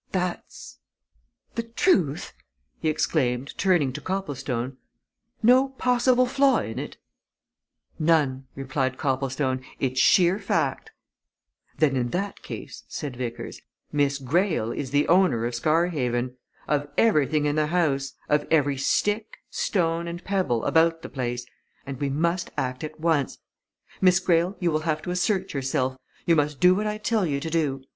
"That's the truth?" he exclaimed, turning to Copplestone. "No possible flaw in it?" "None," replied Copplestone. "It's sheer fact." "Then in that case," said Vickers, "Miss Greyle is the owner of Scarhaven, of everything in the house, of every stick, stone and pebble, about the place! And we must act at once. Miss Greyle, you will have to assert yourself. You must do what I tell you to do.